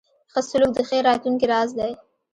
ښه سلوک د ښې راتلونکې راز دی.